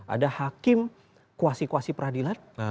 ada hakim kuasi kuasi peradilan